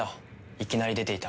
いきなり出ていた。